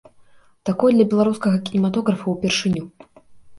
Такое для беларускага кінематографа ўпершыню.